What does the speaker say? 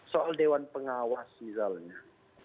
soal dewan pengawas misalnya